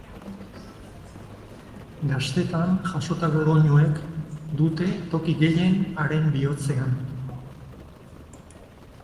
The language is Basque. Gaztetan jasotako doinuek dute toki gehien haren bihotzean.